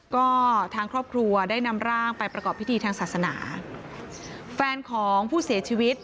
ก็ทางครอบครัวได้นำร่างไปประกอบพิธีทางศาสนาแฟนของผู้เสียชีวิต